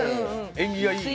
縁起がいい。